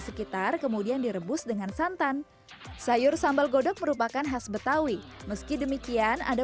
sekitar kemudian direbus dengan santan sayur sambal godok merupakan khas betawi meski demikian ada